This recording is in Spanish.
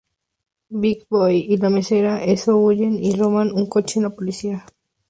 Big Boy y la mesera Esso huyen y roban un coche de la policía.